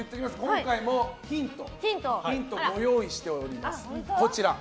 今回もヒントご用意しております。